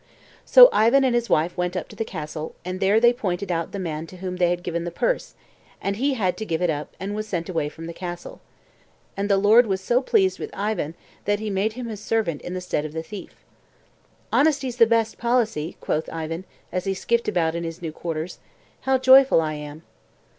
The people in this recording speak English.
So Ivan and his wife went up to the castle, and there they pointed out the man to whom they had given the purse, and he had to give it up and was sent away from the castle. And the lord was so pleased with Ivan that he made him his servant in the stead of the thief. "Honesty's the best policy!" quoth Ivan, as he skipped about in his new quarters. "How joyful I am!"